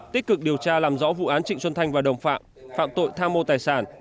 tích cực điều tra làm rõ vụ án trịnh xuân thanh và đồng phạm phạm tội tham mô tài sản